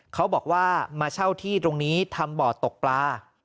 เขาบอกว่ามาเช่าที่ตรงนี้ทำบ่อตกปลา